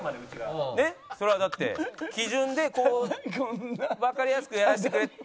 それはだって基準でこうわかりやすくやらせてくれ。